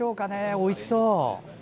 おいしそう！